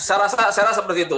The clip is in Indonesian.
saya rasa seperti itu